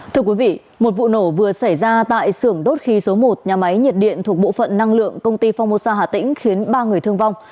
thưa quý vị một vụ nổ vừa xảy ra tại sưởng đốt khí số một nhà máy nhiệt điện thuộc bộ phận năng lượng công ty phongmosa hà tĩnh khiến ba người thương vong